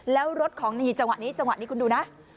แล้วรถของนี่จังหวะนี้จังหวะนี้คุณดูนะ